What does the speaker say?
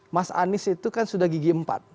mas anies itu kan sudah gigi empat